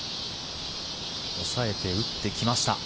抑えて打ってきました。